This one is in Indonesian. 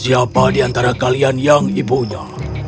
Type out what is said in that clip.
siapa di antara kalian yang ibunya